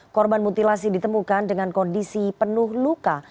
korban mutilasi ditemukan dengan kondisi penuh luka